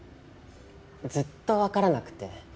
ずっと分からなくて。